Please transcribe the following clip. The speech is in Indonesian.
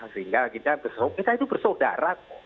sehingga kita bersaudara kok